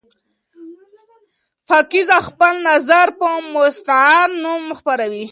پاکیزه خپل نظر په مستعار نوم خپروي.